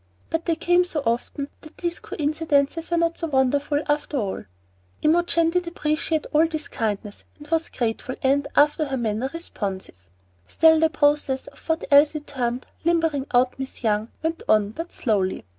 But they came so often that these coincidences were not so wonderful, after all. Imogen did appreciate all this kindness, and was grateful, and, after her manner, responsive; still the process of what Elsie termed "limbering out Miss Young" went on but slowly.